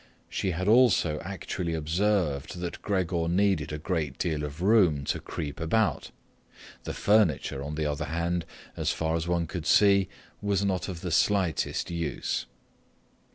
She had also actually observed that Gregor needed a great deal of room to creep about; the furniture, on the other hand, as far as one could see, was not of the slightest use.